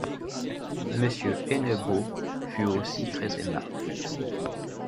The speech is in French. Monsieur Hennebeau fut aussi très aimable.